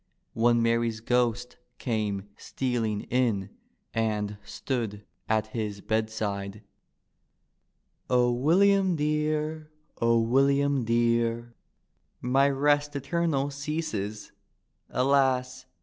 When Mary's ghost came stealing in, And stood at his bedside. "O WiUiamdear! O William dear I My rest eternal ceases; Alas!